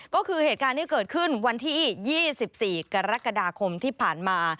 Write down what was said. ก็คือเหตุการณ์ที่เกิดขึ้นวันที่๒๔กรกฎาคมที่ผ่านมา